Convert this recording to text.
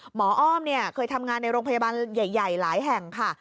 อ้อมเคยทำงานในโรงพยาบาลใหญ่หลายแห่งค่ะ